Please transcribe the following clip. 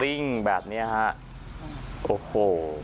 กริ้งแบบเนี่ยค่ะโอ้โห